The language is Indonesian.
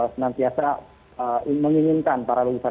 senantiasa menginginkan para lulusan